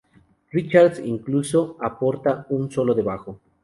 Richards incluso aporta un solo de bajo.